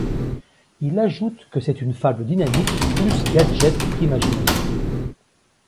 Il ajoute que c'est une fable dynamique, plus gadget qu'imagination.